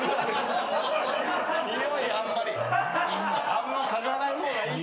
においあんま嗅がない方がいいと。